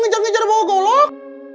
ngejar ngejar bawa golok